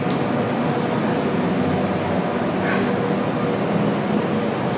ที่หุ้มต่อไหม